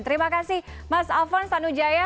terima kasih mas alvon stanujaya